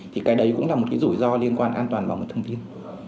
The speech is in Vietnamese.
thì cái đấy cũng là một cái rủi ro liên quan an toàn vào một thông tin